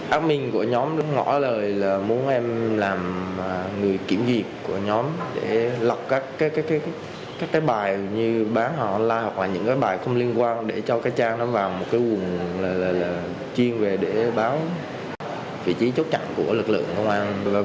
áp minh của nhóm đến ngõ lời là muốn em làm người kiểm duyệt của nhóm để lọc các cái bài như bán họ online hoặc là những cái bài không liên quan để cho cái trang đó vào một cái quần chuyên về để báo vị trí chốt chặn của lực lượng công an